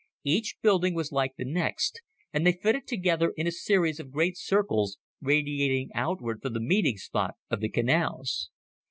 Each building was like the next, and they fitted together in a series of great circles, radiating outward from the meeting spot of the canals.